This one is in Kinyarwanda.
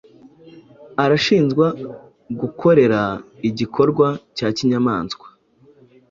arashinjwa gukorera igikorwa cya kinyamaswa